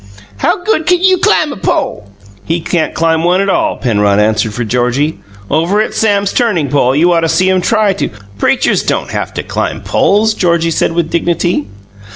"How good kin you clim a pole?" "He can't climb one at all," Penrod answered for Georgie. "Over at Sam's turning pole you ought to see him try to " "Preachers don't have to climb poles," Georgie said with dignity.